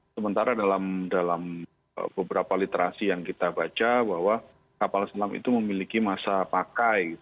sementara dalam beberapa literasi yang kita baca bahwa kapal selam itu memiliki masa pakai